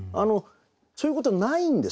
そういうことないんですよね。